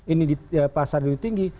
ini di pasar tinggi